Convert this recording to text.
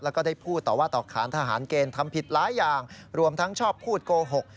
แล้วก็ได้พูดต่อว่าต่อขานทหารเกณฑ์ทำผิดหลายอย่างรวมทั้งชอบพูดโกหก